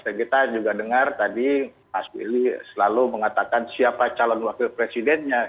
kita juga dengar tadi mas willy selalu mengatakan siapa calon wakil presidennya